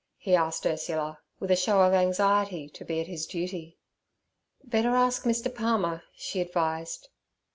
he asked Ursula, with a show of anxiety to be at his duty. 'Better ask Mr. Palmer' she advised.